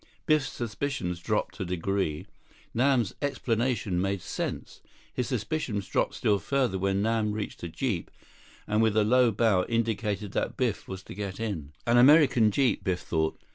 Biff's suspicions dropped a degree. Nam's explanation made sense. His suspicions dropped still further when Nam reached a jeep, and with a low bow, indicated that Biff was to get in. 30 An American jeep, Biff thought.